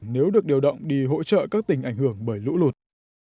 nếu được điều động đi hỗ trợ các tỉnh ảnh hưởng bởi lũ lụt